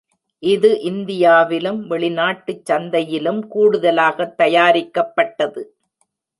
இது இந்தியாவிலும் வெளிநாட்டுச் சந்தையிலும் கூடுதலாகத் தயாரிக்கப்பட்டது.